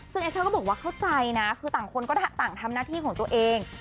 ซึ่งเอเทอร์ก็บอกว่าเข้าใจนะคือต่างคนก็ต่างทำหน้าที่ของตัวเอง